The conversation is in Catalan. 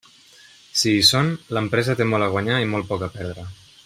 Si hi són, l'empresa té molt a guanyar i molt poc a perdre.